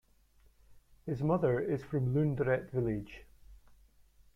His mother is from Lundret village.